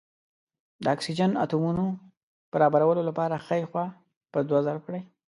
د اکسیجن اتومونو برابرولو لپاره ښۍ خوا په دوه ضرب کړئ.